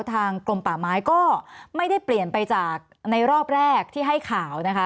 กลมป่าไม้ก็ไม่ได้เปลี่ยนไปจากในรอบแรกที่ให้ข่าวนะคะ